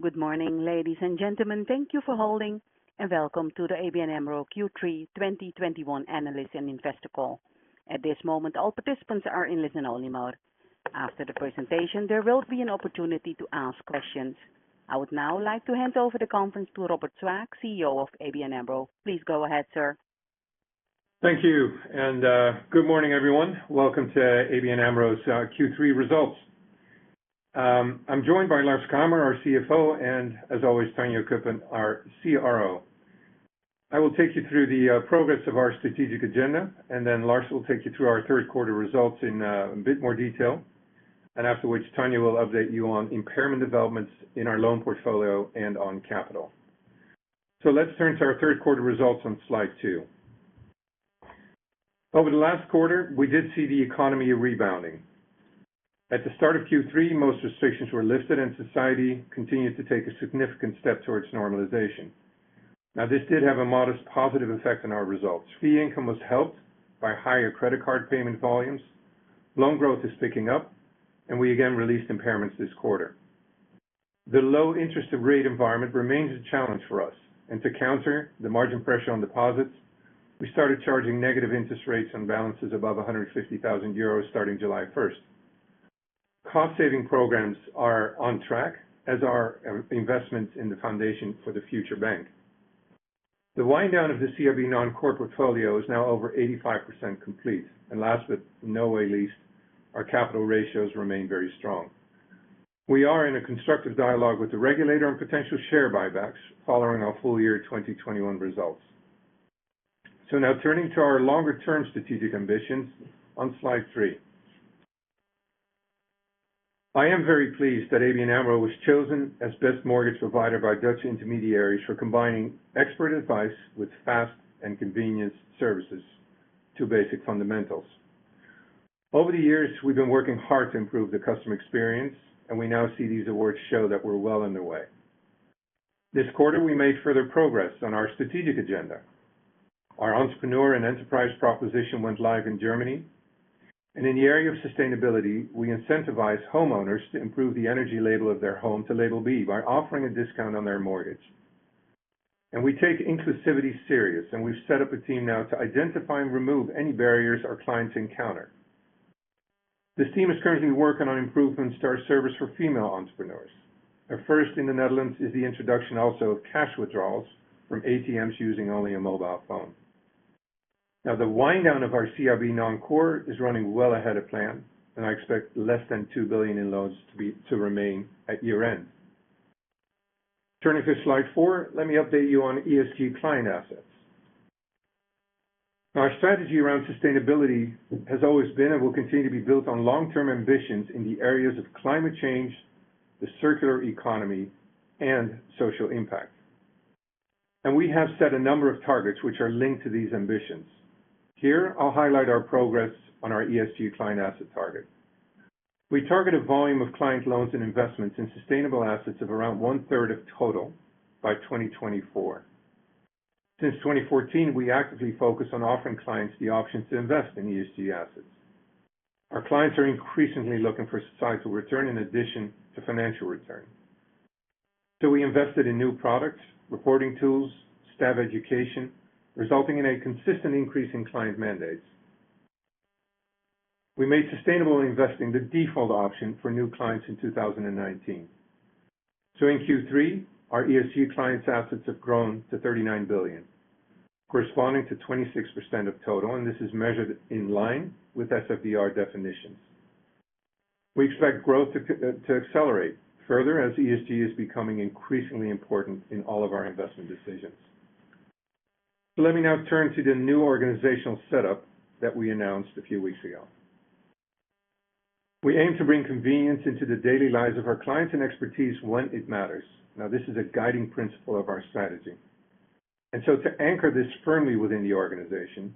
Good morning, ladies and gentlemen. Thank you for holding and welcome to the ABN AMRO Q3 2021 analyst and investor call. At this moment, all participants are in listen-only mode. After the presentation, there will be an opportunity to ask questions. I would now like to hand over the conference to Robert Swaak, CEO of ABN AMRO. Please go ahead, sir. Thank you, good morning, everyone. Welcome to ABN AMRO's Q3 results. I'm joined by Lars Kramer, our CFO, and as always, Tanja Cuppen, our CRO. I will take you through the progress of our strategic agenda, and then Lars will take you through our third quarter results in a bit more detail. After which, Tanja will update you on impairment developments in our loan portfolio and on capital. Let's turn to our third quarter results on slide two. Over the last quarter, we did see the economy rebounding. At the start of Q3, most restrictions were lifted and society continued to take a significant step towards normalization. Now, this did have a modest positive effect on our results. Fee income was helped by higher credit card payment volumes, loan growth is picking up, and we again released impairments this quarter. The low interest rate environment remains a challenge for us. To counter the margin pressure on deposits, we started charging negative interest rates on balances above 150,000 euros starting July 1. Cost saving programs are on track, as are investments in the foundation for the future bank. The wind down of the CIB non-core portfolio is now over 85% complete. Last, but not least, our capital ratios remain very strong. We are in a constructive dialogue with the regulator on potential share buybacks following our full year 2021 results. Now turning to our longer term strategic ambitions on slide 3. I am very pleased that ABN AMRO was chosen as best mortgage provider by Dutch Intermediaries for combining expert advice with fast and convenient services to basic fundamentals. Over the years, we've been working hard to improve the customer experience, and we now see these awards show that we're well underway. This quarter, we made further progress on our strategic agenda. Our entrepreneur and enterprise proposition went live in Germany. In the area of sustainability, we incentivize homeowners to improve the energy label of their home to label B by offering a discount on their mortgage. We take inclusivity serious, and we've set up a team now to identify and remove any barriers our clients encounter. This team is currently working on improvements to our service for female entrepreneurs. First in the Netherlands is also the introduction of cash withdrawals from ATMs using only a mobile phone. Now, the wind down of our CIB non-core is running well ahead of plan, and I expect less than 2 billion in loans to remain at year-end. Turning to slide 4, let me update you on ESG client assets. Now, our strategy around sustainability has always been and will continue to be built on long-term ambitions in the areas of climate change, the circular economy, and social impact. We have set a number of targets which are linked to these ambitions. Here, I'll highlight our progress on our ESG client asset target. We target a volume of client loans and investments in sustainable assets of around 1/3 of total by 2024. Since 2014, we actively focus on offering clients the option to invest in ESG assets. Our clients are increasingly looking for societal return in addition to financial return. We invested in new products, reporting tools, staff education, resulting in a consistent increase in client mandates. We made sustainable investing the default option for new clients in 2019. In Q3, our ESG clients' assets have grown to 39 billion, corresponding to 26% of total, and this is measured in line with SFDR definitions. We expect growth to accelerate further as ESG is becoming increasingly important in all of our investment decisions. Let me now turn to the new organizational setup that we announced a few weeks ago. We aim to bring convenience into the daily lives of our clients and expertise when it matters. Now, this is a guiding principle of our strategy. To anchor this firmly within the organization,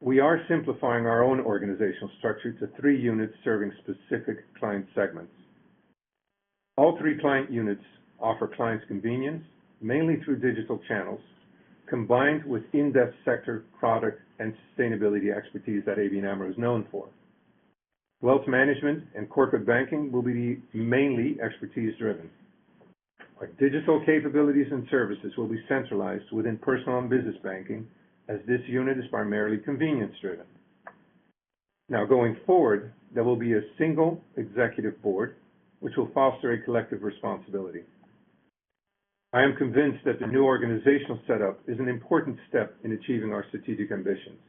we are simplifying our own organizational structure to three units serving specific client segments. All three client units offer clients convenience, mainly through digital channels, combined with in-depth sector, product, and sustainability expertise that ABN AMRO is known for. Wealth management and corporate banking will be mainly expertise-driven. Our digital capabilities and services will be centralized within personal and business banking, as this unit is primarily convenience-driven. Now going forward, there will be a single executive board which will foster a collective responsibility. I am convinced that the new organizational setup is an important step in achieving our strategic ambitions.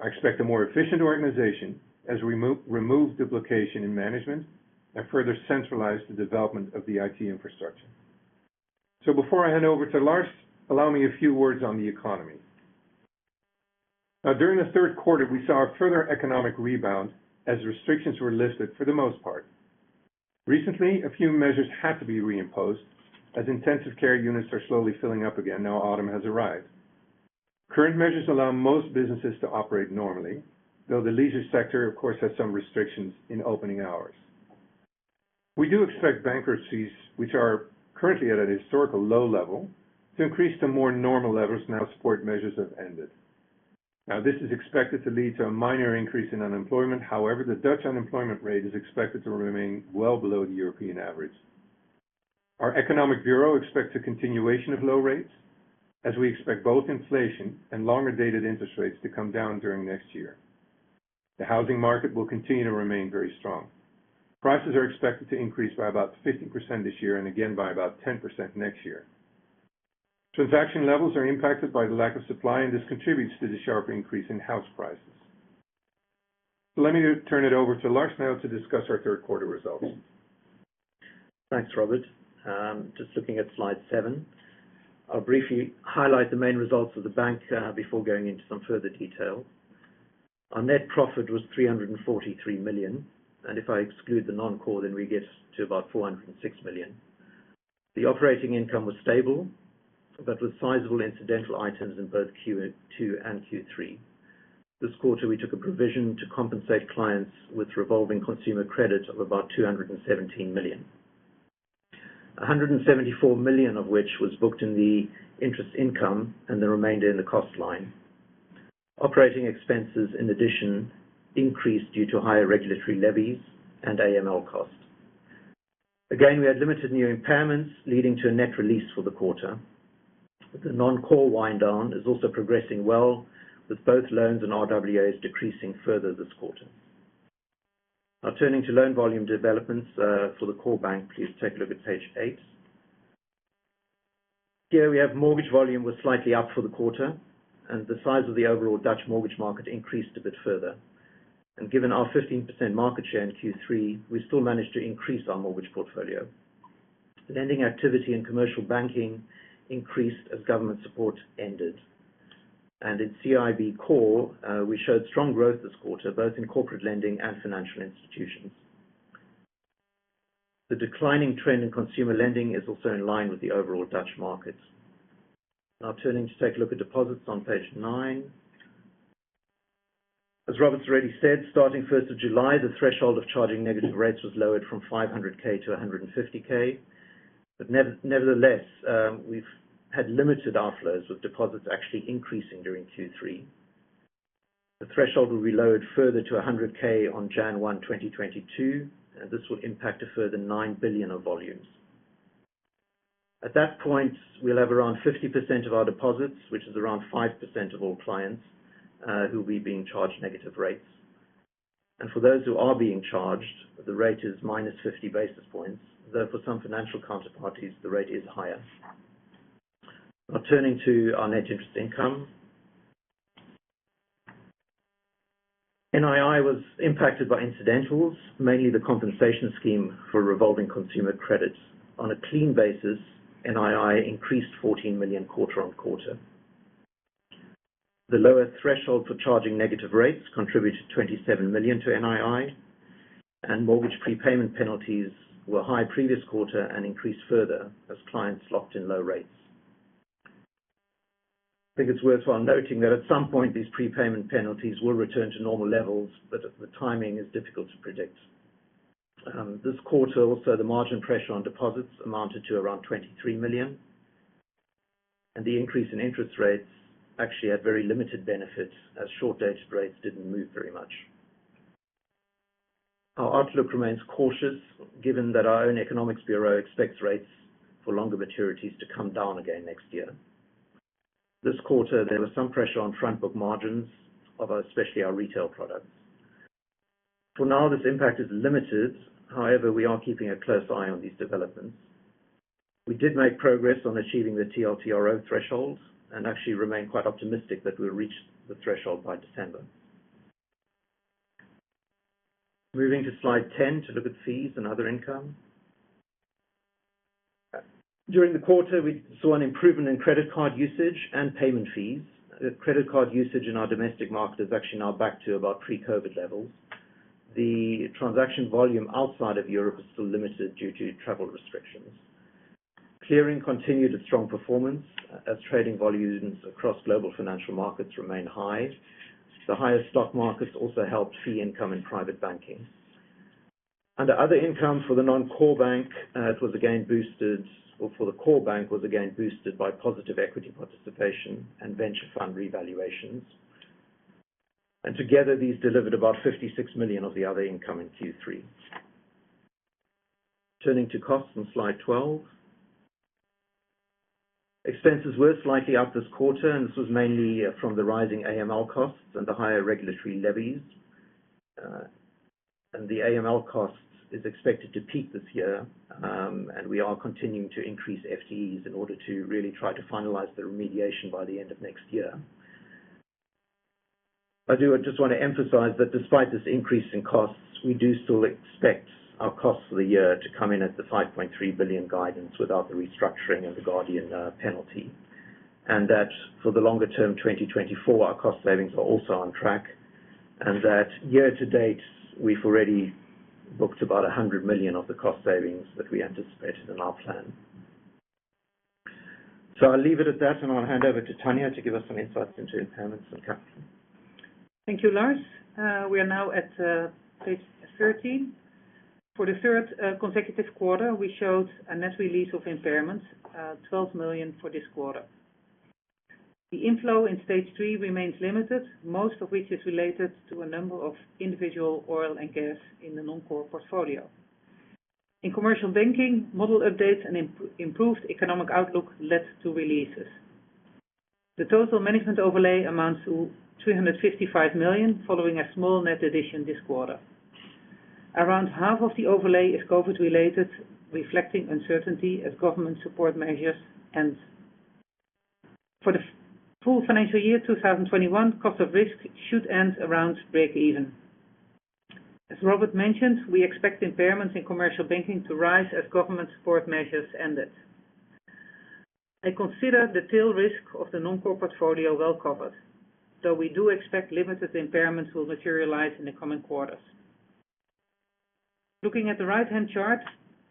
I expect a more efficient organization as we remove duplication in management and further centralize the development of the IT infrastructure. Before I hand over to Lars, allow me a few words on the economy. Now during the third quarter, we saw a further economic rebound as restrictions were lifted for the most part. Recently, a few measures had to be reimposed as intensive care units are slowly filling up again now autumn has arrived. Current measures allow most businesses to operate normally, though the leisure sector, of course, has some restrictions in opening hours. We do expect bankruptcies, which are currently at a historical low level, to increase to more normal levels now support measures have ended. Now this is expected to lead to a minor increase in unemployment. However, the Dutch unemployment rate is expected to remain well below the European average. Our economic bureau expects a continuation of low rates, as we expect both inflation and longer-dated interest rates to come down during next year. The housing market will continue to remain very strong. Prices are expected to increase by about 15% this year and again by about 10% next year. Transaction levels are impacted by the lack of supply, and this contributes to the sharp increase in house prices. Let me turn it over to Lars now to discuss our third quarter results. Thanks, Robert. Just looking at slide 7. I'll briefly highlight the main results of the bank before going into some further detail. Our net profit was 343 million, and if I exclude the non-core, then we get to about 406 million. The operating income was stable, but with sizable incidental items in both Q2 and Q3. This quarter, we took a provision to compensate clients with revolving consumer credit of about 217 million. 174 million of which was booked in the interest income and the remainder in the cost line. Operating expenses, in addition, increased due to higher regulatory levies and AML costs. Again, we had limited new impairments, leading to a net release for the quarter. The non-core wind down is also progressing well, with both loans and RWAs decreasing further this quarter. Now turning to loan volume developments for the core bank, please take a look at page 8. Here we have mortgage volume was slightly up for the quarter and the size of the overall Dutch mortgage market increased a bit further. Given our 15% market share in Q3, we still managed to increase our mortgage portfolio. Lending activity and commercial banking increased as government support ended. In CIB core, we showed strong growth this quarter, both in corporate lending and financial institutions. The declining trend in consumer lending is also in line with the overall Dutch markets. Now turning to take a look at deposits on page 9. As Robert's already said, starting first of July, the threshold of charging negative rates was lowered from 500,000 to 150,000. Nevertheless, we've had limited outflows, with deposits actually increasing during Q3. The threshold will be lowered further to 100K on January 1, 2022, and this will impact a further 9 billion of volumes. At that point, we'll have around 50% of our deposits, which is around 5% of all clients, who will be being charged negative rates. For those who are being charged, the rate is -50 basis points, though for some financial counterparties, the rate is higher. Now turning to our net interest income. NII was impacted by incidentals, mainly the compensation scheme for revolving consumer credits. On a clean basis, NII increased 14 million quarter-on-quarter. The lower threshold for charging negative rates contributed 27 million to NII, and mortgage prepayment penalties were high in the previous quarter and increased further as clients locked in low rates. I think it's worthwhile noting that at some point, these prepayment penalties will return to normal levels, but the timing is difficult to predict. This quarter also, the margin pressure on deposits amounted to around 23 million. The increase in interest rates actually had very limited benefits as short-dated rates didn't move very much. Our outlook remains cautious given that our own economics bureau expects rates for longer maturities to come down again next year. This quarter, there was some pressure on front book margins of especially our retail products. For now, this impact is limited. However, we are keeping a close eye on these developments. We did make progress on achieving the TLTRO threshold and actually remain quite optimistic that we'll reach the threshold by December. Moving to slide 10 to look at fees and other income. During the quarter, we saw an improvement in credit card usage and payment fees. The credit card usage in our domestic market is actually now back to about pre-COVID levels. The transaction volume outside of Europe is still limited due to travel restrictions. Clearing continued a strong performance as trading volumes across global financial markets remain high. The higher stock markets also helped fee income and private banking. Under other income for the core bank, it was again boosted by positive equity participation and venture fund revaluations. Together, these delivered about 56 million of the other income in Q3. Turning to costs on slide 12. Expenses were slightly up this quarter, and this was mainly from the rising AML costs and the higher regulatory levies. The AML costs is expected to peak this year, and we are continuing to increase FTEs in order to really try to finalize the remediation by the end of next year. I do just wanna emphasize that despite this increase in costs, we do still expect our costs for the year to come in at the 5.3 billion guidance without the restructuring of the Guardian penalty. That for the longer term, 2024, our cost savings are also on track. That year to date, we've already booked about 100 million of the cost savings that we anticipated in our plan. I'll leave it at that, and I'll hand over to Tanja to give us some insights into impairments and capital. Thank you, Lars. We are now at page 13. For the third consecutive quarter, we showed a net release of impairments, 12 million for this quarter. The inflow in Stage 3 remains limited, most of which is related to a number of individual oil and gas in the non-core portfolio. In Commercial Banking, model updates and improved economic outlook led to releases. The total management overlay amounts to 255 million, following a small net addition this quarter. Around half of the overlay is COVID-related, reflecting uncertainty as government support measures end. For the full financial year 2021, cost of risk should end around breakeven. As Robert mentioned, we expect impairments in Commercial Banking to rise as government support measures ended. I consider the tail risk of the non-core portfolio well covered, though we do expect limited impairments will materialize in the coming quarters. Looking at the right-hand chart,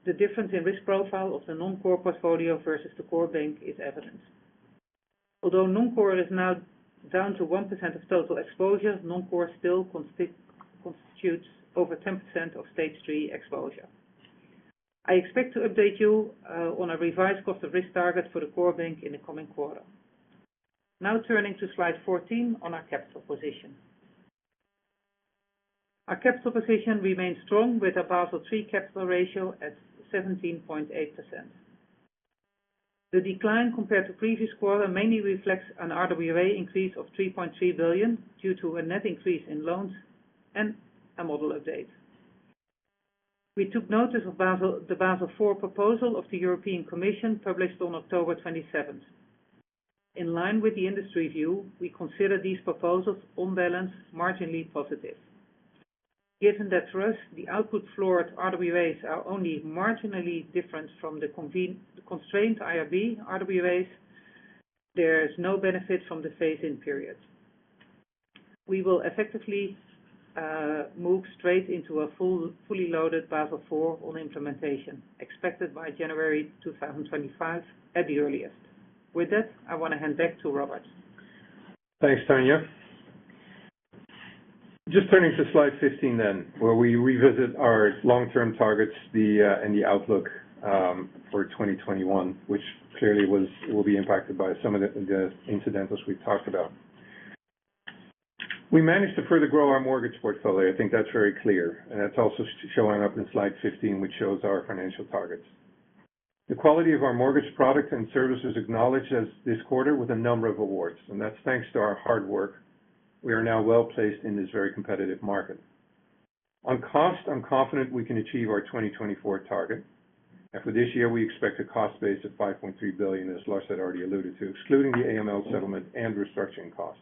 the difference in risk profile of the non-core portfolio versus the core bank is evident. Although non-core is now down to 1% of total exposure, non-core still constitutes over 10% of stage three exposure. I expect to update you on a revised cost of risk target for the core bank in the coming quarter. Now turning to slide 14 on our capital position. Our capital position remains strong with a Basel III capital ratio at 17.8%. The decline compared to previous quarter mainly reflects an RWA increase of 3.3 billion due to a net increase in loans and a model update. We took notice of the Basel IV proposal of the European Commission, published on October 27. In line with the industry view, we consider these proposals on balance marginally positive. Given that for us, the output-floored RWAs are only marginally different from the conventional-constrained IRB RWAs, there is no benefit from the phase-in period. We will effectively move straight into a fully loaded Basel IV on implementation, expected by January 2025 at the earliest. With that, I want to hand back to Robert. Thanks, Tanja. Just turning to slide 15 then, where we revisit our long-term targets, the and the outlook for 2021, which clearly will be impacted by some of the incidentals we've talked about. We managed to further grow our mortgage portfolio. I think that's very clear, and that's also showing up in slide 15, which shows our financial targets. The quality of our mortgage products and service is acknowledged in this quarter with a number of awards, and that's thanks to our hard work. We are now well-placed in this very competitive market. On cost, I'm confident we can achieve our 2024 target. For this year, we expect a cost base of 5.3 billion, as Lars had already alluded to, excluding the AML settlement and restructuring costs.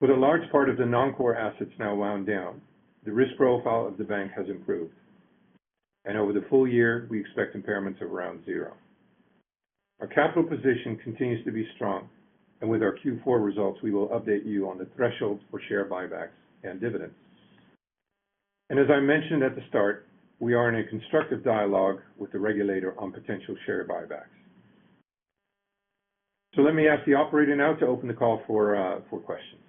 With a large part of the non-core assets now wound down, the risk profile of the bank has improved. Over the full year, we expect impairments of around zero. Our capital position continues to be strong, and with our Q4 results, we will update you on the threshold for share buybacks and dividends. As I mentioned at the start, we are in a constructive dialogue with the regulator on potential share buybacks. Let me ask the operator now to open the call for questions.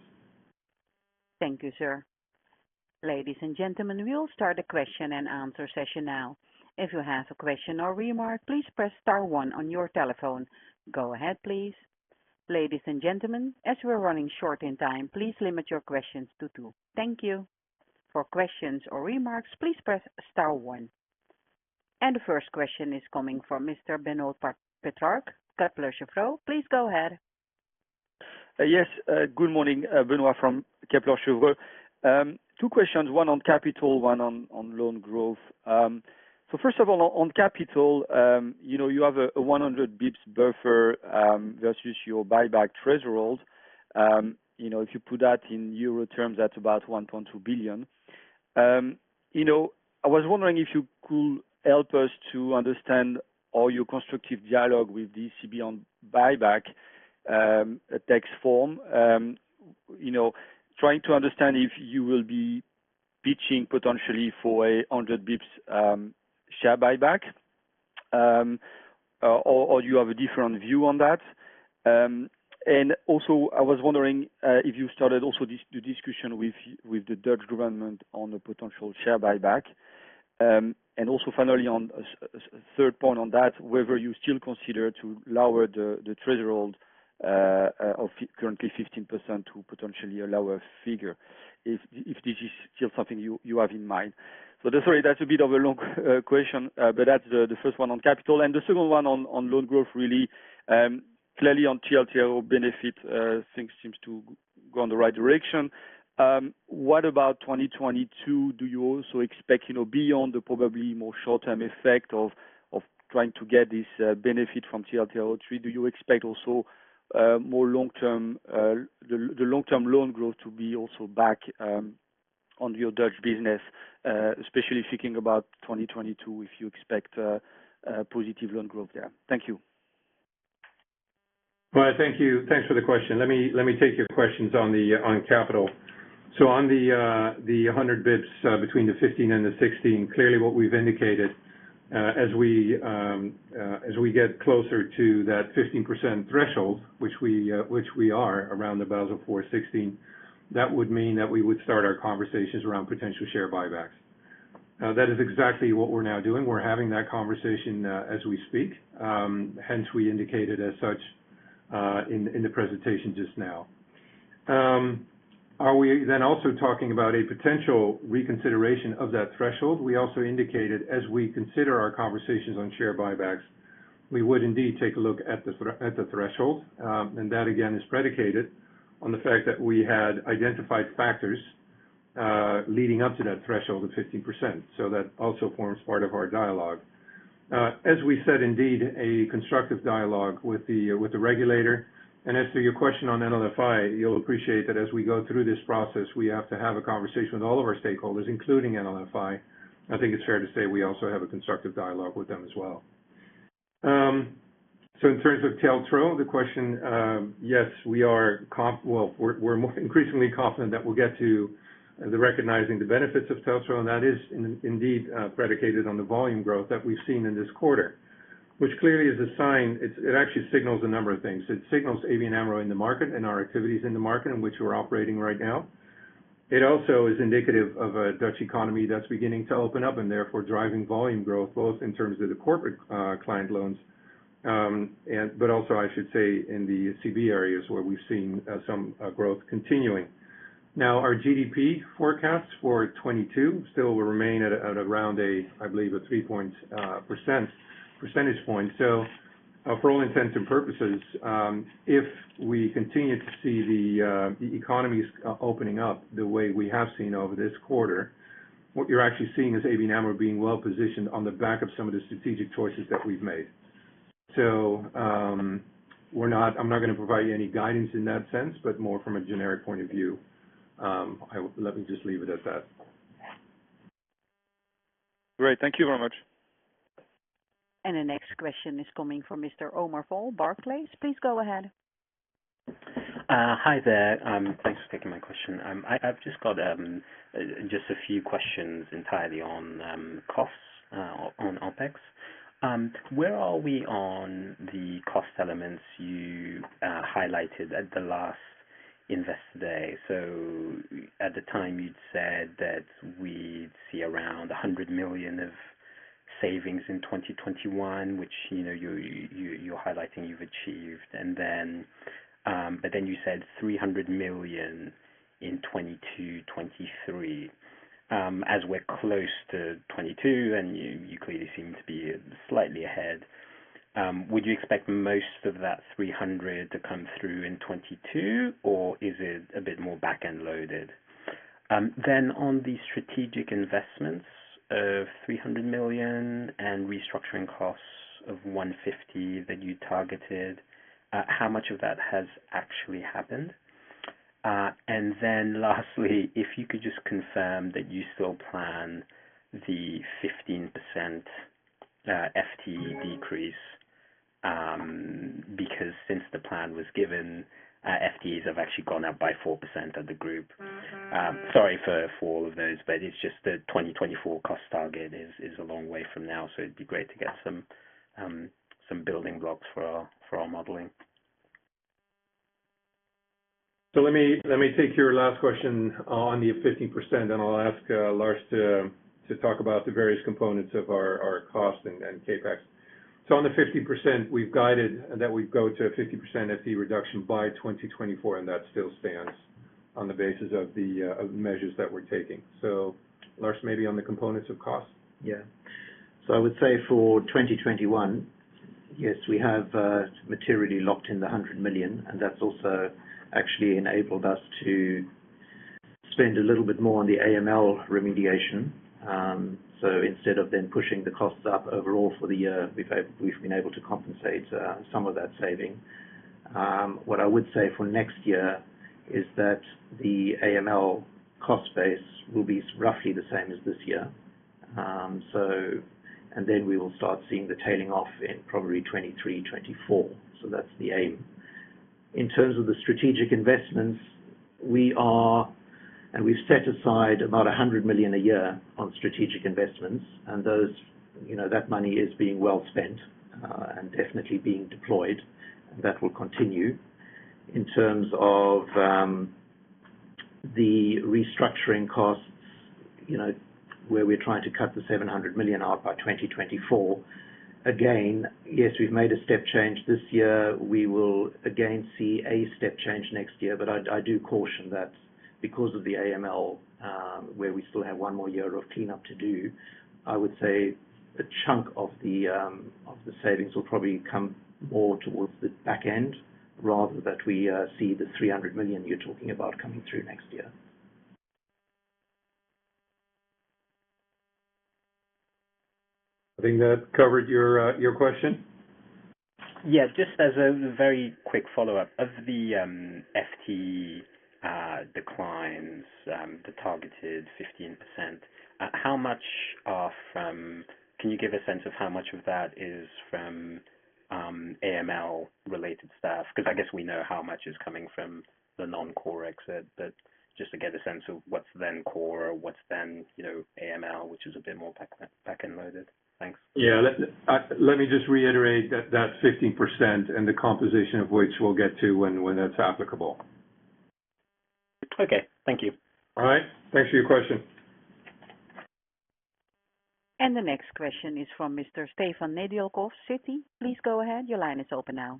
Thank you, sir. Ladies and gentlemen, we'll start the question and answer session now. If you have a question or remark, please press star one on your telephone. Go ahead, please. Ladies and gentlemen, as we're running short in time, please limit your questions to two. Thank you. For questions or remarks, please press star one. The first question is coming from Mr. Benoît Pétrarque, Kepler Cheuvreux. Please go ahead. Yes, good morning. Benoît Pétrarque from Kepler Cheuvreux. Two questions, one on capital, one on loan growth. So first of all, on capital, you know, you have a 100 basis points buffer versus your buyback threshold. You know, if you put that in euro terms, that's about 1.2 billion. I was wondering if you could help us to understand all your constructive dialogue with ECB on buyback next steps. You know, trying to understand if you will be pitching potentially for a 100 basis points share buyback, or you have a different view on that. Also, I was wondering if you also started the discussion with the Dutch government on a potential share buyback. Also finally on a third point on that, whether you still consider to lower the threshold of currently 15% to potentially a lower figure, if this is still something you have in mind. Sorry, that's a bit of a long question, but that's the first one on capital. The second one on loan growth, really, clearly on TLTRO benefit, things seems to go in the right direction. What about 2022? Do you also expect, you know, beyond the probably more short-term effect of trying to get this benefit from TLTRO three, do you expect also more long-term the long-term loan growth to be also back on your Dutch business, especially thinking about 2022, if you expect a positive loan growth there? Thank you. Benoît, thank you. Thanks for the question. Let me take your questions on the, on capital. On the 100 basis points between 15% and 16%, clearly what we've indicated, as we get closer to that 15% threshold, which we are around about 14.16%, that would mean that we would start our conversations around potential share buybacks. Now, that is exactly what we're now doing. We're having that conversation, as we speak. Hence, we indicated as such, in the presentation just now. Are we then also talking about a potential reconsideration of that threshold? We also indicated, as we consider our conversations on share buybacks, we would indeed take a look at the threshold. That again is predicated on the fact that we had identified factors leading up to that threshold of 15%. That also forms part of our dialogue. As we said, indeed, a constructive dialogue with the regulator. As to your question on NLFI, you'll appreciate that as we go through this process, we have to have a conversation with all of our stakeholders, including NLFI. I think it's fair to say we also have a constructive dialogue with them as well. In terms of TLTRO, the question, yes, we are. Well, we're more increasingly confident that we'll get to recognizing the benefits of TLTRO, and that is indeed predicated on the volume growth that we've seen in this quarter. Which clearly is a sign. It actually signals a number of things. It signals ABN AMRO in the market and our activities in the market in which we're operating right now. It also is indicative of a Dutch economy that's beginning to open up, and therefore, driving volume growth, both in terms of the corporate client loans and but also, I should say, in the CIB areas where we've seen some growth continuing. Now, our GDP forecasts for 2022 still will remain at around, I believe, 3 percentage point. For all intents and purposes, if we continue to see the economies opening up the way we have seen over this quarter, what you're actually seeing is ABN AMRO being well-positioned on the back of some of the strategic choices that we've made. I'm not gonna provide you any guidance in that sense, but more from a generic point of view. Let me just leave it at that. Great. Thank you very much. The next question is coming from Mr. Omar Fall, Barclays. Please go ahead. Hi there. Thanks for taking my question. I've just got a few questions entirely on costs on OpEx. Where are we on the cost elements you highlighted at the last Investor Day? At the time, you'd said that we'd see around 100 million of savings in 2021, which, you know, you're highlighting you've achieved. Then you said EUR 300 million in 2022, 2023. As we're close to 2022 and you clearly seem to be slightly ahead, would you expect most of that 300 to come through in 2022, or is it a bit more back-end loaded? Then on the strategic investments of 300 million and restructuring costs of 150 that you targeted, how much of that has actually happened? Lastly, if you could just confirm that you still plan the 15% FTE decrease, because since the plan was given, FTEs have actually gone up by 4% of the group. Sorry for all of those, but it's just the 2024 cost target is a long way from now, so it'd be great to get some building blocks for our modeling. Let me take your last question on the 15%, and I'll ask Lars to talk about the various components of our cost and CapEx. On the 15%, we've guided that we go to a 15% FTE reduction by 2024, and that still stands on the basis of the measures that we're taking. Lars, maybe on the components of cost. Yeah. I would say for 2021, yes, we have materially locked in the 100 million, and that's also actually enabled us to spend a little bit more on the AML remediation. Instead of then pushing the costs up overall for the year, we've been able to compensate some of that saving. What I would say for next year is that the AML cost base will be roughly the same as this year. Then we will start seeing the tailing off in probably 2023, 2024. That's the aim. In terms of the strategic investments, we've set aside about 100 million a year on strategic investments, and those that money is being well spent and definitely being deployed, and that will continue. In terms of the restructuring costs, you know, where we're trying to cut 700 million out by 2024, again, yes, we've made a step change this year. We will again see a step change next year. I do caution that because of the AML, where we still have one more year of cleanup to do, I would say a chunk of the savings will probably come more towards the back end, rather than we see the 300 million you're talking about coming through next year. I think that covered your question. Yeah. Just as a very quick follow-up. Of the FTE declines, the targeted 15%, can you give a sense of how much of that is from- AML related stuff, because I guess we know how much is coming from the non-core exit, but just to get a sense of what's then core, what's then, AML, which is a bit more back-end loaded. Thanks. Yeah. Let me just reiterate that 15% and the composition of which we'll get to when it's applicable. Okay. Thank you. All right. Thanks for your question. The next question is from Mr. Stefan Nedialkov, Citi. Please go ahead. Your line is open now.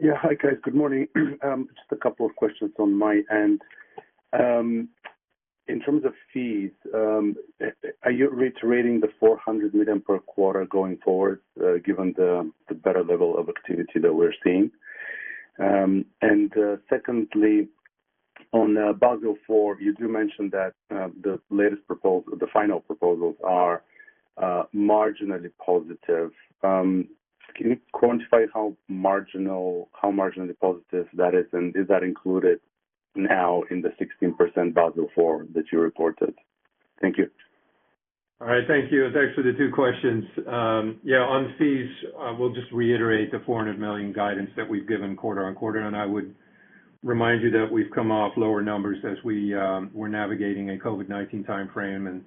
Yeah. Hi, guys. Good morning. Just a couple of questions on my end. In terms of fees, are you reiterating the 400 million per quarter going forward, given the better level of activity that we're seeing? Secondly, on Basel IV, you do mention that the final proposals are marginally positive. Can you quantify how marginal, how marginally positive that is? Is that included now in the 16% Basel IV that you reported? Thank you. All right. Thank you. Thanks for the two questions. Yeah, on fees, we'll just reiterate the 400 million guidance that we've given quarter on quarter. I would remind you that we've come off lower numbers as we're navigating a COVID-19 timeframe.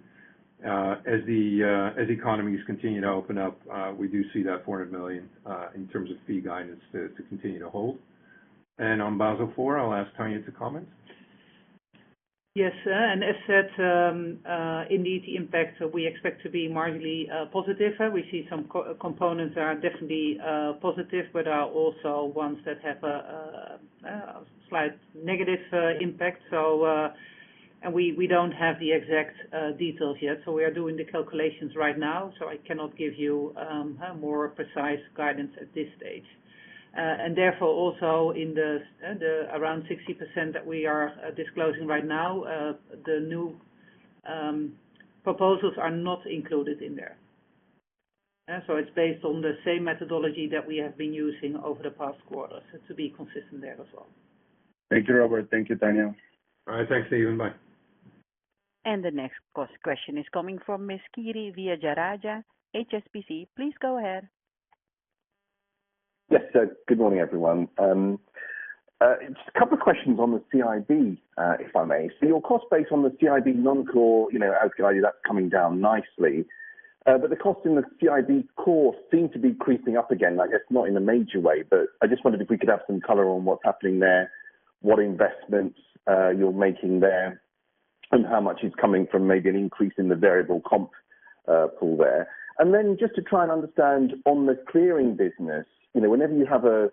As economies continue to open up, we do see that 400 million in terms of fee guidance to continue to hold. On Basel IV, I'll ask Tanja to comment. Yes, sir. As said, indeed, the impact we expect to be marginally positive. We see some components that are definitely positive, but are also ones that have a slight negative impact. We don't have the exact details yet, so we are doing the calculations right now, so I cannot give you a more precise guidance at this stage. Therefore, also in the around 60% that we are disclosing right now, the new proposals are not included in there. It's based on the same methodology that we have been using over the past quarters to be consistent there as well. Thank you, Robert. Thank you, Tanja. All right, thanks, Stefan Nedialkov. Bye. The next question is coming from Miss Kiri Vijayarajah, HSBC. Please go ahead. Yes, good morning, everyone. Just a couple of questions on the CIB, if I may. So your cost base on the CIB non-core, you know, as guided, that's coming down nicely. But the cost in the CIB core seem to be creeping up again. I guess not in a major way, but I just wondered if we could have some color on what's happening there, what investments you're making there, and how much is coming from maybe an increase in the variable comp pool there. Just to try and understand on the clearing business, you know, whenever you have a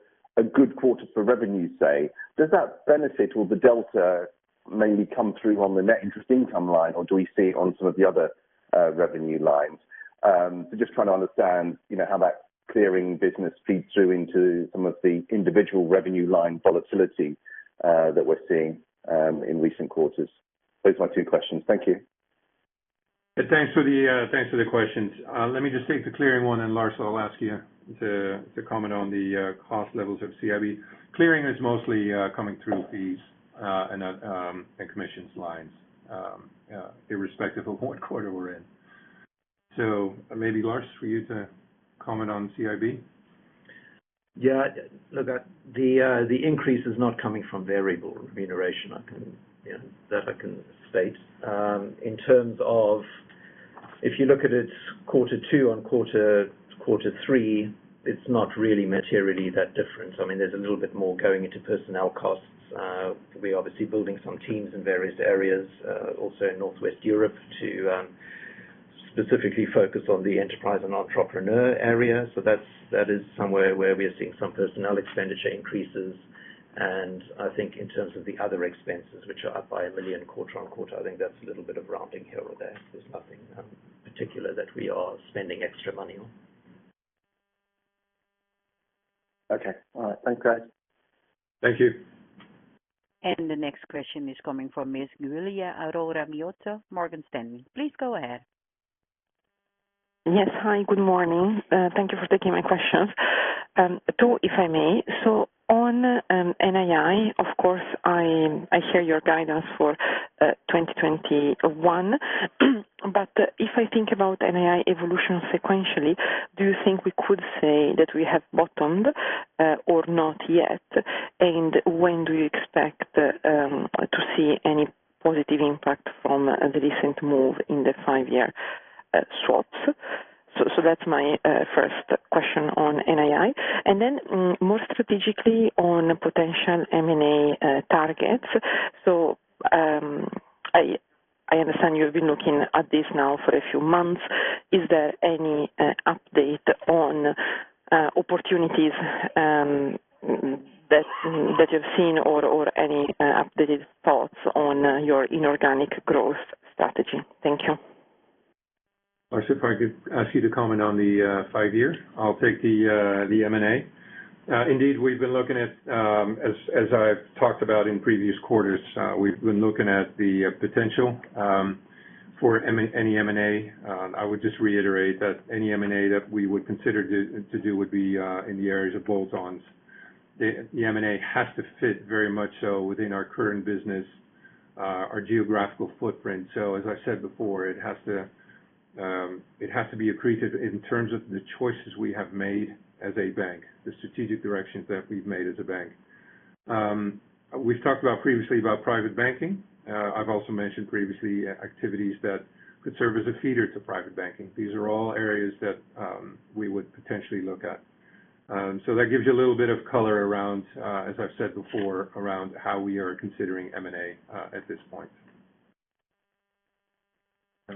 good quarter for revenue, say, does that benefit or the delta mainly come through on the net interest income line, or do we see on some of the other revenue lines? Just trying to understand, how that clearing business feeds through into some of the individual revenue line volatility that we're seeing in recent quarters. Those are my two questions. Thank you. Thanks for the questions. Let me just take the clearing one, and Lars, I'll ask you to comment on the cost levels of CIB. Clearing is mostly coming through fees and commissions lines, irrespective of what quarter we're in. Maybe, Lars, for you to comment on CIB. Yeah. Look, the increase is not coming from variable remuneration. I can state that In terms of if you look at it quarter two on quarter three, it's not really materially that different. I mean, there's a little bit more going into personnel costs. We're obviously building some teams in various areas, also in Northwest Europe to specifically focus on the enterprise and entrepreneur area. So that is somewhere where we are seeing some personnel expenditure increases. I think in terms of the other expenses which are up by 1 million quarter-on-quarter, I think that's a little bit of rounding here or there. There's nothing particular that we are spending extra money on. Okay. All right. Thanks, guys. Thank you. The next question is coming from Miss Giulia Aurora Miotto, Morgan Stanley. Please go ahead. Yes. Hi, good morning. Thank you for taking my questions. Two, if I may. On NII, of course, I hear your guidance for 2021. If I think about NII evolution sequentially, do you think we could say that we have bottomed or not yet? When do you expect to see any positive impact from the recent move in the five-year swaps? That's my first question on NII. Then, more strategically on potential M&A targets. I understand you've been looking at this now for a few months. Is there any update on opportunities that you've seen or any updated thoughts on your inorganic growth strategy? Thank you. Lars, if I could ask you to comment on the five-year. I'll take the M&A. Indeed, we've been looking at, as I've talked about in previous quarters, we've been looking at the potential for any M&A. I would just reiterate that any M&A that we would consider to do would be in the areas of bolt-ons. The M&A has to fit very much so within our current business, our geographical footprint. As I said before, it has to be accretive in terms of the choices we have made as a bank, the strategic directions that we've made as a bank. We've talked about previously about private banking. I've also mentioned previously activities that could serve as a feeder to private banking. These are all areas that we would potentially look at. So that gives you a little bit of color around, as I've said before, around how we are considering M&A at this point.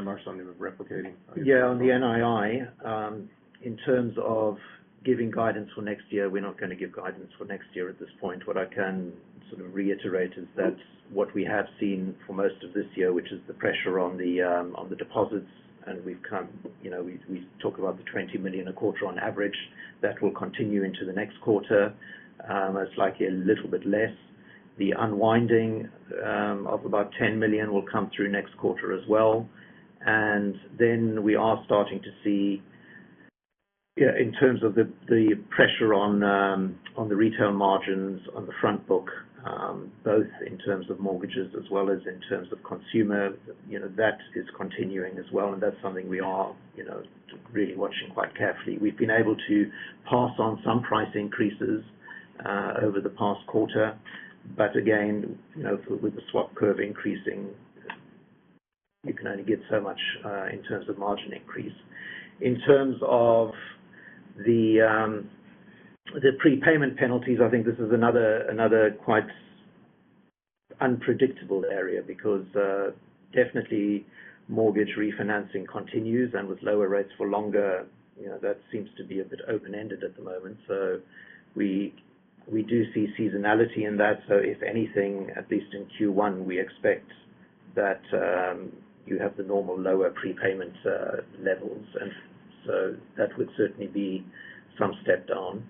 Marcel, you were replicating. Yeah. On the NII, in terms of giving guidance for next year, we're not gonna give guidance for next year at this point. What I can sort of reiterate is that what we have seen for most of this year, which is the pressure on the deposits, and we've come, we talk about the 20 million a quarter on average, that will continue into the next quarter. It's likely a little bit less. The unwinding of about 10 million will come through next quarter as well. We are starting to see in terms of the pressure on the retail margins on the front book, both in terms of mortgages as well as in terms of consumer, you know, that is continuing as well, and that's something we are, you know, really watching quite carefully. We've been able to pass on some price increases over the past quarter, but again, you know, with the swap curve increasing, you can only get so much in terms of margin increase. In terms of the prepayment penalties, I think this is another quite unpredictable area because definitely mortgage refinancing continues, and with lower rates for longer, you know, that seems to be a bit open-ended at the moment. We do see seasonality in that. If anything, at least in Q1, we expect that you have the normal lower prepayment levels. That would certainly be some step down.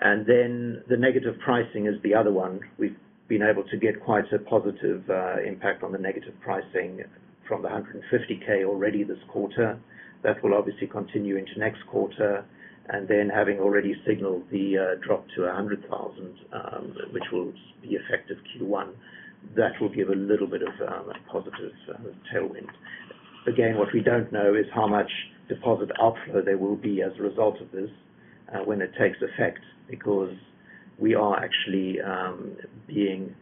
Then the negative pricing is the other one. We've been able to get quite a positive impact on the negative pricing from the 150k already this quarter. That will obviously continue into next quarter. Having already signaled the drop to 100,000, which will be effective Q1, that will give a little bit of a positive tailwind. Again, what we don't know is how much deposit outflow there will be as a result of this when it takes effect because we are actually being,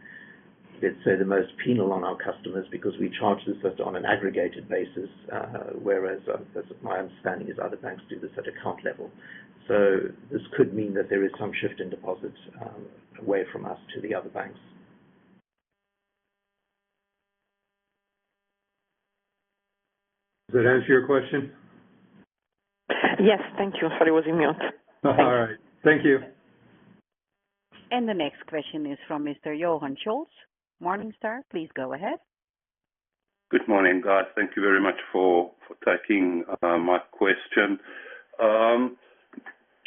let's say, the most penal on our customers because we charge this just on an aggregated basis, whereas my understanding is other banks do this at account level. This could mean that there is some shift in deposits away from us to the other banks. Does that answer your question? Yes. Thank you. Sorry, I was on mute. Thanks. All right. Thank you. The next question is from Mr. Johann Scholtz, Morningstar. Please go ahead. Good morning, guys. Thank you very much for taking my question.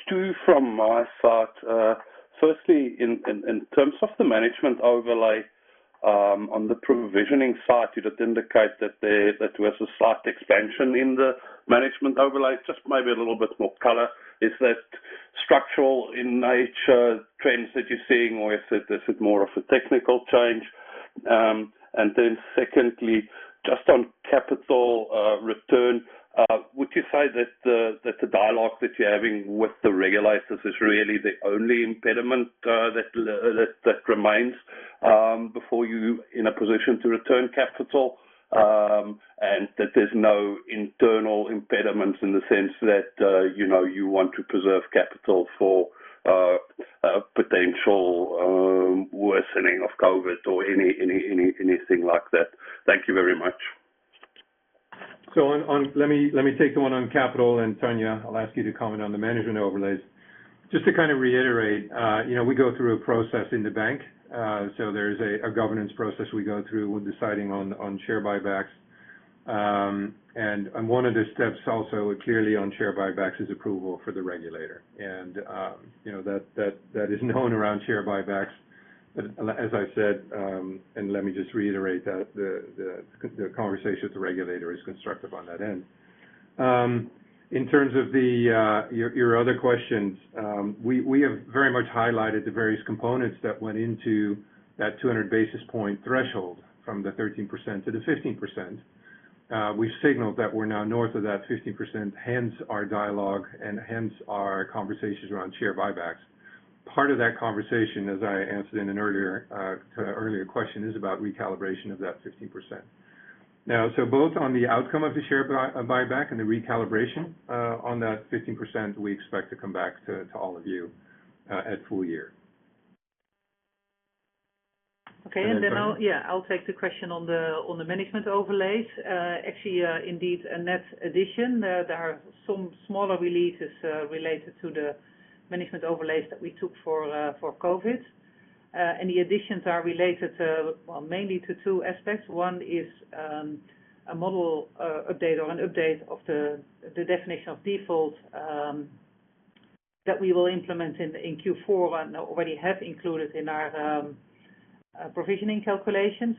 Two from my side. Firstly, in terms of the management overlay on the provisioning side, you did indicate that there was a slight expansion in the management overlay. Just maybe a little bit more color, is that structural in nature trends that you're seeing, or is it this is more of a technical change? Secondly, just on capital return, would you say that the dialogue that you're having with the regulators is really the only impediment that remains before you in a position to return capital? that there's no internal impediment in the sense that you know you want to preserve capital for potential worsening of COVID or anything like that. Thank you very much. Let me take the one on capital, and Tanja, I'll ask you to comment on the management overlays. Just to kind of reiterate, we go through a process in the bank. There's a governance process we go through when deciding on share buybacks. One of the steps also clearly on share buybacks is approval for the regulator. That is known around share buybacks. As I said, let me just reiterate that the conversation with the regulator is constructive on that end. In terms of your other questions, we have very much highlighted the various components that went into that 200 basis point threshold from the 13% to the 15%. We've signaled that we're now north of that 15%, hence our dialogue and hence our conversations around share buybacks. Part of that conversation, as I answered earlier to an earlier question, is about recalibration of that 15%. Now both on the outcome of the share buyback and the recalibration on that 15%, we expect to come back to all of you at full year. Okay. Tanja. Yeah, I'll take the question on the management overlays. Actually, indeed, a net addition. There are some smaller releases related to the management overlays that we took for COVID. The additions are related to, well, mainly to two aspects. One is a model update or an update of the definition of default that we will implement in Q4 and already have included in our Provisioning calculations.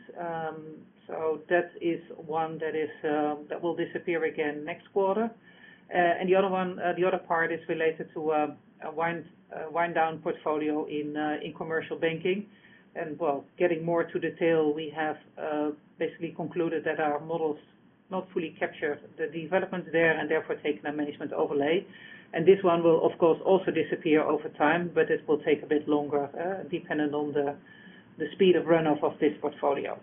That is one that will disappear again next quarter. The other one, the other part is related to a wind down portfolio in commercial banking. Well, getting more into detail, we have basically concluded that our models not fully capture the developments there and therefore taken a management overlay. This one will of course also disappear over time, but it will take a bit longer, dependent on the speed of run off of this portfolio.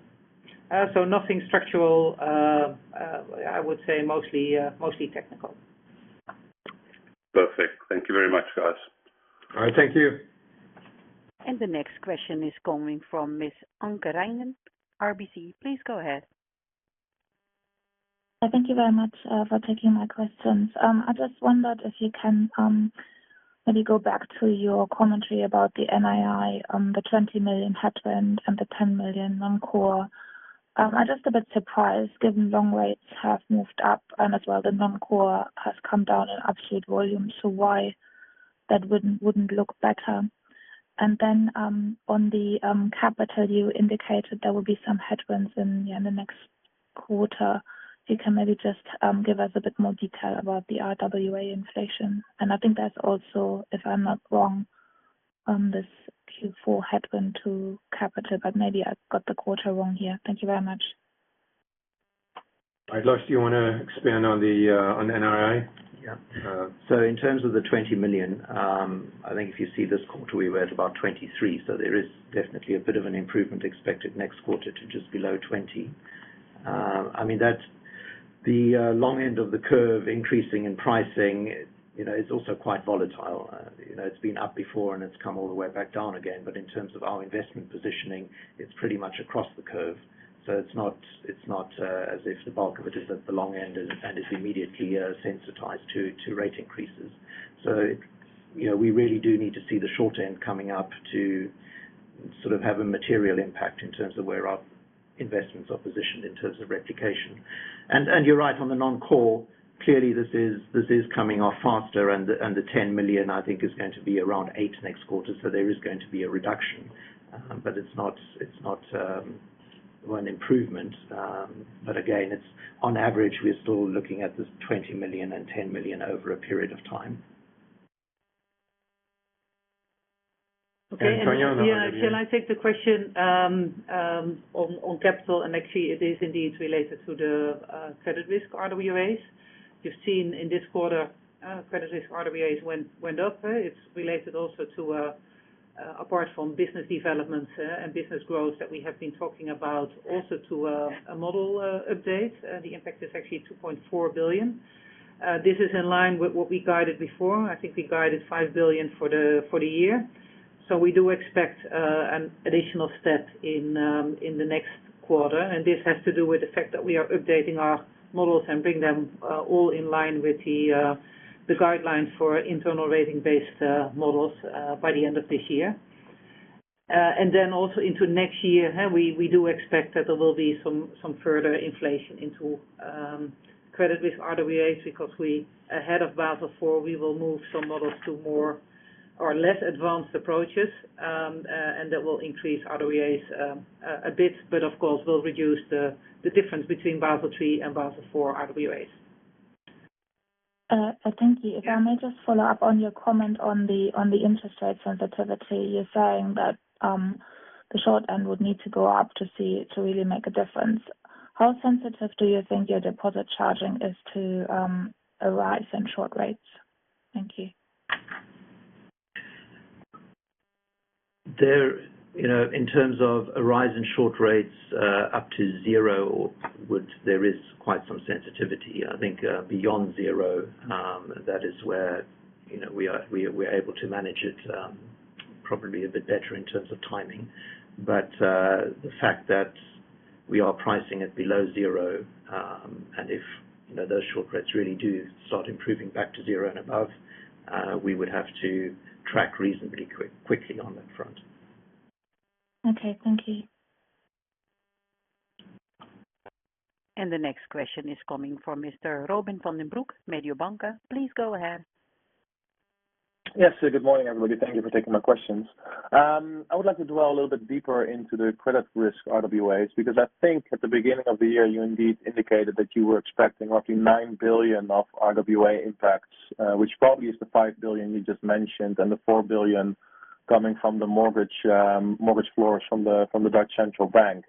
Nothing structural. I would say mostly technical. Perfect. Thank you very much, guys. All right. Thank you. The next question is coming from Miss Anke Reingen, RBC. Please go ahead. Thank you very much for taking my questions. I just wondered if you can maybe go back to your commentary about the NII on the 20 million headwind and the 10 million non-core. I'm just a bit surprised given long rates have moved up and as well the non-core has come down in absolute volume, so why that wouldn't look better? On the capital, you indicated there will be some headwinds in the next quarter. You can maybe just give us a bit more detail about the RWA inflation. I think that's also, if I'm not wrong, this Q4 headwind to capital, but maybe I've got the quarter wrong here. Thank you very much. Do you wanna expand on the NII? Yeah. In terms of the 20 million, I think if you see this quarter, we were at about 23 million. There is definitely a bit of an improvement expected next quarter to just below 20 million. I mean, that's the long end of the curve increasing in pricing. It's also quite volatile. It's been up before and it's come all the way back down again. In terms of our investment positioning, it's pretty much across the curve. It's not as if the bulk of it is at the long end and is immediately sensitized to rate increases. We really do need to see the short end coming up to sort of have a material impact in terms of where our investments are positioned in terms of replication. You're right on the non-core. Clearly, this is coming off faster and the 10 million I think is going to be around 8 million next quarter. There is going to be a reduction. But it's not an improvement. But again, it's on average, we're still looking at this 20 million and 10 million over a period of time. Tanja Okay. Yeah, shall I take the question on capital? Actually it is indeed related to the credit risk RWAs. You've seen in this quarter, credit risk RWAs went up. It's related also to, apart from business development and business growth that we have been talking about also to a model update. The impact is actually 2.4 billion. This is in line with what we guided before. I think we guided 5 billion for the year. We do expect an additional step in the next quarter. This has to do with the fact that we are updating our models and bring them all in line with the guidelines for internal rating-based models by the end of this year. into next year, we do expect that there will be some further inflation into credit risk RWAs because, ahead of Basel IV, we will move some models to more or less advanced approaches, and that will increase RWAs a bit, but of course will reduce the difference between Basel III and Basel IV RWAs. Thank you. If I may just follow up on your comment on the interest rate sensitivity. You're saying that the short end would need to go up to really make a difference. How sensitive do you think your deposit charging is to a rise in short rates? Thank you. You know, in terms of a rise in short rates up to zero, there is quite some sensitivity. I think, beyond zero, that is where, you know, we're able to manage it, probably a bit better in terms of timing. The fact that we are pricing it below zero, and if, you know, those short rates really do start improving back to zero and above, we would have to track reasonably quickly on that front. Okay. Thank you. The next question is coming from Mr. Robin van den Broek, Mediobanca. Please go ahead. Yes. Good morning, everybody. Thank you for taking my questions. I would like to dwell a little bit deeper into the credit risk RWAs, because I think at the beginning of the year, you indeed indicated that you were expecting roughly 9 billion of RWA impacts, which probably is the 5 billion you just mentioned, and the 4 billion coming from the mortgage floors from the Dutch Central Bank.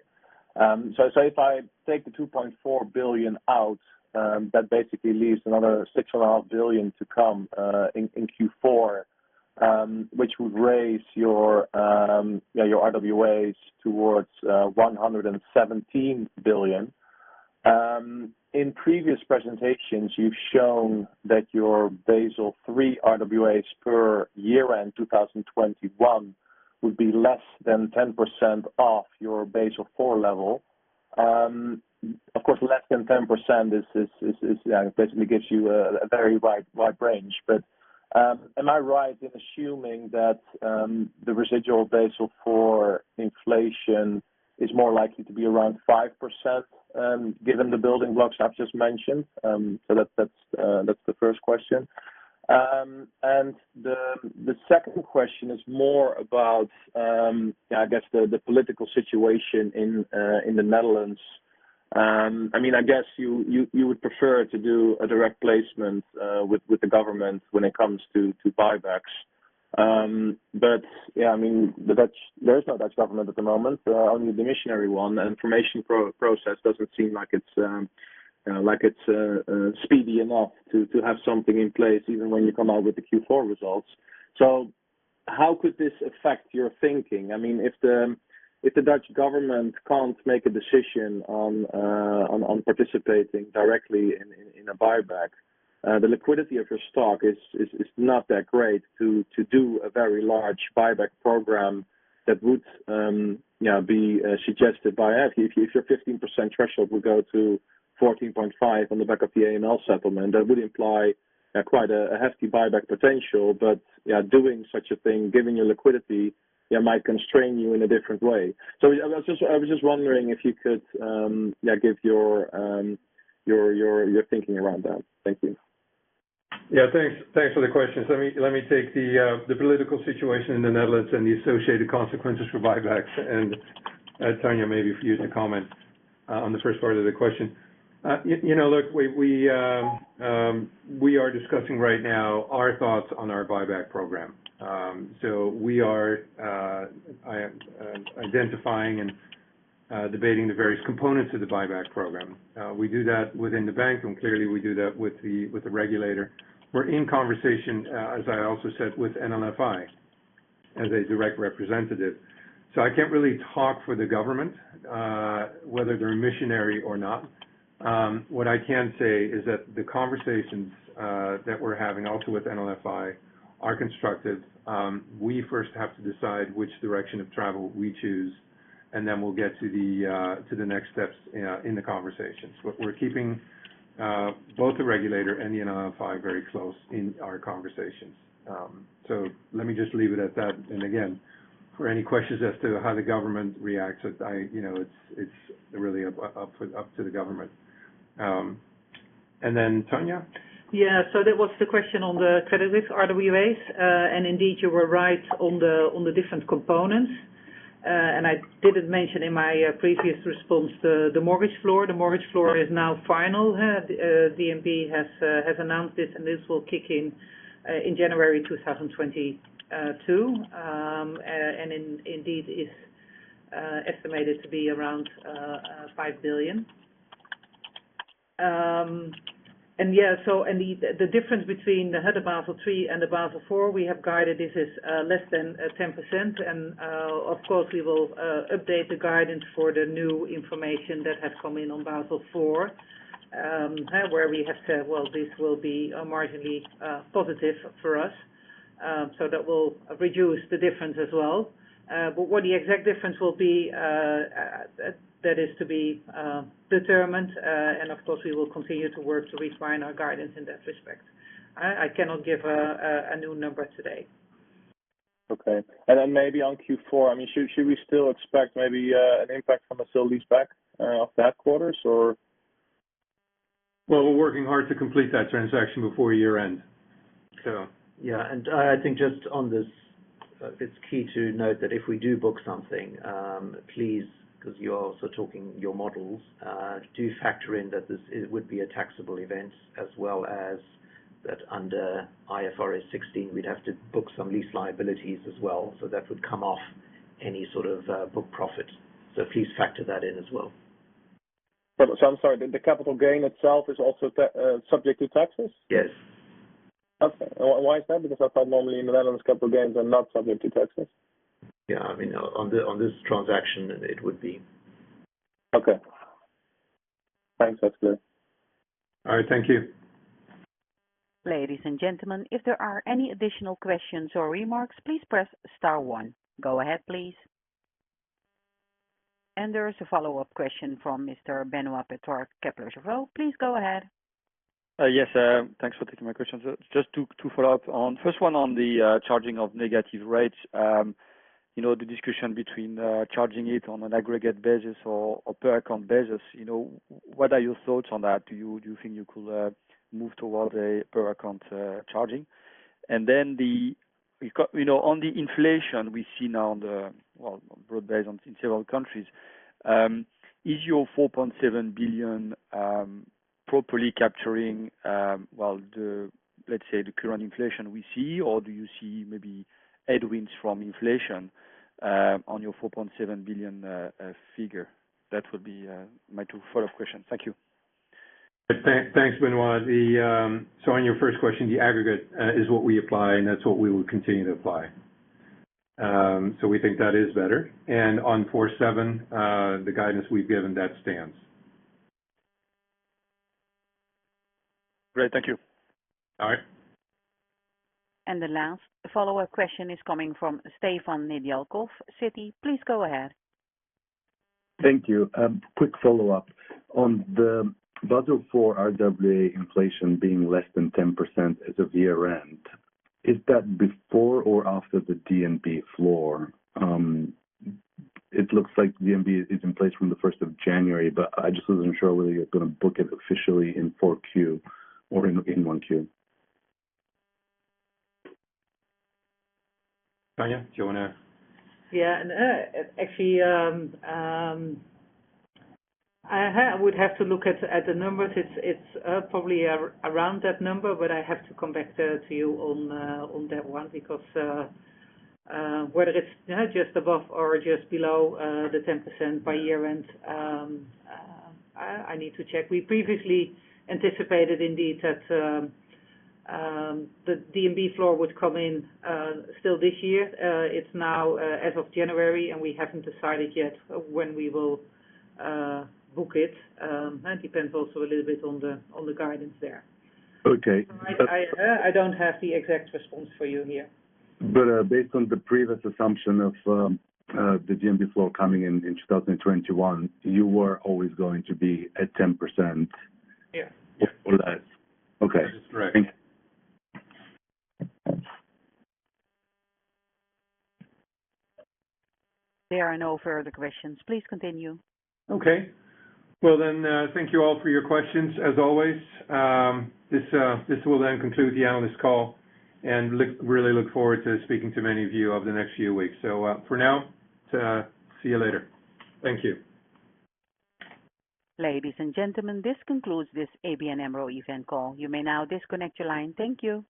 If I take the 2.4 billion out, that basically leaves another 6.5 billion to come in Q4, which would raise your RWAs towards 117 billion. In previous presentations, you've shown that your Basel III RWAs per year-end 2021 would be less than 10% of your Basel IV level. Of course, less than 10% is basically gives you a very wide range. Am I right in assuming that the residual Basel IV inflation is more likely to be around 5%, given the building blocks I've just mentioned? That's the first question. The second question is more about, yeah, I guess the political situation in the Netherlands. I mean, I guess you would prefer to do a direct placement with the government when it comes to buybacks. Yeah, I mean, the Dutch. There is no Dutch government at the moment, only the demissionary one. The information process doesn't seem like it's speedy enough to have something in place even when you come out with the Q4 results. How could this affect your thinking? I mean, if the Dutch government can't make a decision on participating directly in a buyback, the liquidity of your stock is not that great to do a very large buyback program that would be suggested by us. If your 15% threshold would go to 14.5 on the back of the AML settlement, that would imply quite a hefty buyback potential. Doing such a thing, giving you liquidity, might constrain you in a different way. I was just wondering if you could give your thinking around that. Thank you. Yeah, thanks. Thanks for the questions. Let me take the political situation in the Netherlands and the associated consequences for buybacks. Tanja, maybe for you to comment on the first part of the question. Look, we are discussing right now our thoughts on our buyback program. We are identifying and debating the various components of the buyback program. We do that within the bank, and clearly we do that with the regulator. We're in conversation, as I also said, with NLFI as a direct representative. I can't really talk for the government, whether they're amenable or not. What I can say is that the conversations that we're having also with NLFI are constructive. We first have to decide which direction of travel we choose, and then we'll get to the next steps in the conversations. We're keeping both the regulator and the NLFI very close in our conversations. Let me just leave it at that. Again, for any questions as to how the government reacts, it's really up to the government. Then Tanja. That was the question on the credit risk RWAs. Indeed, you were right on the different components. I didn't mention in my previous response the mortgage floor. The mortgage floor is now final. The DNB has announced this, and this will kick in in January 2022. It is estimated to be around 5 billion. The difference between the headroom under Basel III and Basel IV, we have guided that this is less than 10%. Of course, we will update the guidance for the new information that has come in on Basel IV, where we have said this will be marginally positive for us. That will reduce the difference as well. What the exact difference will be, that is to be determined. Of course, we will continue to work to refine our guidance in that respect. I cannot give a new number today. Okay. Then maybe on Q4, I mean, should we still expect maybe an impact from a sale-leaseback of that quarter's or? Well, we're working hard to complete that transaction before year-end. Yeah. I think just on this, it's key to note that if we do book something, please, 'cause you're also updating your models, do factor in that this would be a taxable event as well as that under IFRS 16, we'd have to book some lease liabilities as well. That would come off any sort of book profit. Please factor that in as well. I'm sorry, the capital gain itself is also subject to taxes? Yes. Okay. Why is that? Because I thought normally in the Netherlands, capital gains are not subject to taxes. Yeah. I mean, on this transaction, it would be. Okay. Thanks. That's clear. All right. Thank you. Ladies and gentlemen, if there are any additional questions or remarks, please press star one. Go ahead, please. There is a follow-up question from Mr. Benoît Pétrarque, Kepler Cheuvreux. Please go ahead. Yes. Thanks for taking my questions. Just to follow up on, first one on the charging of negative rates. You know, the discussion between charging it on an aggregate basis or per account basis, you know, what are your thoughts on that? Do you think you could move towards a per account charging? On the inflation we see now, on a broad basis in several countries, is your 4.7 billion properly capturing, let's say, the current inflation we see? Or do you see maybe headwinds from inflation on your 4.7 billion figure? That would be my two follow-up questions. Thank you. Thanks, Benoît. On your first question, the aggregate is what we apply, and that's what we will continue to apply. We think that is better. On 47, the guidance we've given, that stands. Great. Thank you. All right. The last follow-up question is coming from Stefan Nedialkov, Citi. Please go ahead. Thank you. Quick follow-up. On the Basel IV RWA inflation being less than 10% as of year-end, is that before or after the DNB floor? It looks like DNB is in place from the first of January, but I just wasn't sure whether you're gonna book it officially in Q4 or in Q1. Tanja, do you wanna? Yeah. Actually, I would have to look at the numbers. It's probably around that number, but I have to come back to you on that one because whether it's just above or just below the 10% by year-end, I need to check. We previously anticipated indeed that the DNB floor would come in still this year. It's now as of January, and we haven't decided yet when we will book it. That depends also a little bit on the guidance there. Okay. I don't have the exact response for you here. Based on the previous assumption of the DNB floor coming in in 2021, you were always going to be at 10%. Yeah. Less. Okay. That is correct. Thank you. There are no further questions. Please continue. Okay. Well, then, thank you all for your questions. As always, this will then conclude the analyst call. Look, really look forward to speaking to many of you over the next few weeks. For now, see you later. Thank you. Ladies and gentlemen, this concludes this ABN AMRO event call. You may now disconnect your line. Thank you.